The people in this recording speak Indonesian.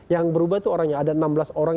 yang berubah itu orangnya ada enam belas orang